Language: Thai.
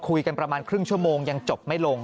คุยกันประมาณครึ่งชั่วโมงยังจบไม่ลง